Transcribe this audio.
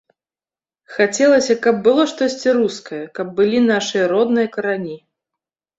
Хацелася, каб было штосьці рускае, каб былі нашы родныя карані.